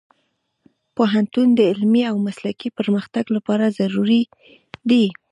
پوهنتون د علمي او مسلکي پرمختګ لپاره ضروري دی.